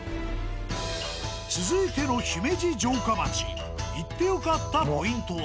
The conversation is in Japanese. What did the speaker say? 続いての姫路城下町行って良かったポイントは。